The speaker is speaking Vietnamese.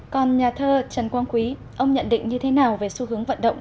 còn nhà thơ trần quang quý ông nhận định như thế nào về xu hướng vận động